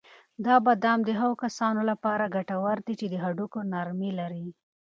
دا بادام د هغو کسانو لپاره ګټور دي چې د هډوکو نرمي لري.